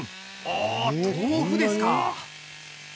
ああ、豆腐ですか！